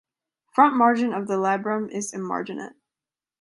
Front margin of the labrum is emarginate.